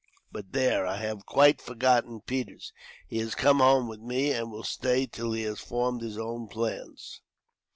"But there, I have quite forgotten Peters. He has come home with me, and will stay till he has formed his own plans."